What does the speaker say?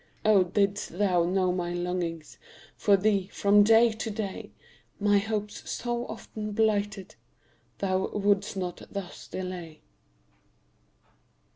Oh, didst thou know my longings For thee, from day to day, My hopes, so often blighted, Thou wouldst not thus delay!